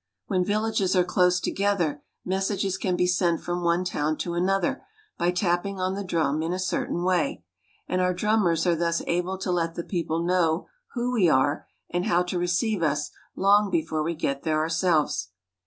When villages are close together, messages can be sent from one town to another by tapping on the drum in a certain way ; and our drummers are thus able to let the people know who we are and how to receive us long before we get there ourselves.